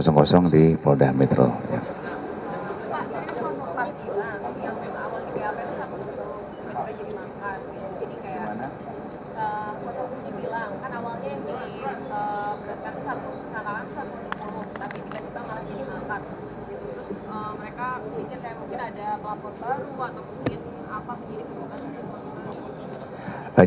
yang memang awal di pap itu satu juga jadi lima